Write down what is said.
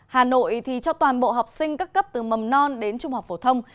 hà nội cho toàn bộ học sinh các cấp từ mầm non đến trung học phổ thông